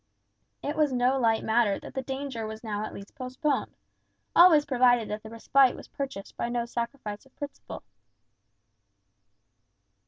It was no light matter that the danger was now at least postponed, always provided that the respite was purchased by no sacrifice of principle.